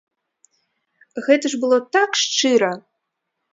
Гэта ж было так шчыра!